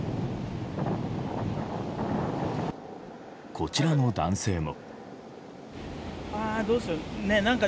こちらの男性も。